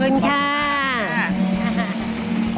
ขอบคุณค่ะ